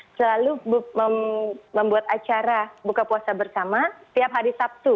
selalu membuat acara buka puasa bersama tiap hari sabtu